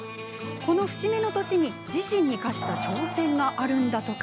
この節目の年に自身に課した挑戦があるんだとか。